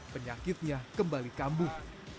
penyakitnya kembali kambuh